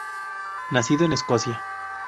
Nacido en Escocia.